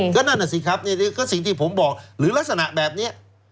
เตือนได้สิก็นั่นแหละสิครับเนี่ยก็สิ่งที่ผมบอกหรือลักษณะแบบเนี้ย